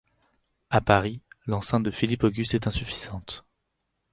À Paris, l'enceinte de Philippe Auguste est insuffisante.